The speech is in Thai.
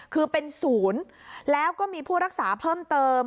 คือเป็นศูนย์แล้วก็มีผู้รักษาเพิ่มเติม